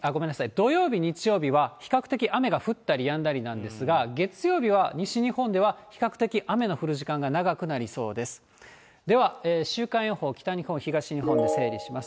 土曜日、日曜日は比較的雨が降ったりやんだりなんですが、月曜日は西日本では、比較的、雨の降る時間が長くなりそうです。